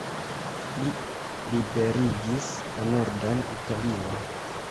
Li liberigis la nordan Italion.